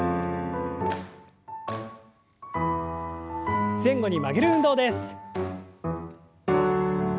前後に曲げる運動です。